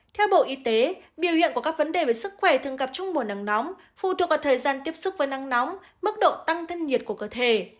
theo bộ y tế biểu hiện của các vấn đề về sức khỏe thường gặp trong mùa nắng nóng phụ thuộc vào thời gian tiếp xúc với nắng nóng mức độ tăng thân nhiệt của cơ thể